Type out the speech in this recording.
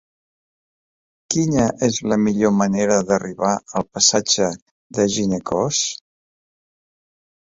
Quina és la millor manera d'arribar al passatge de Ginecòs?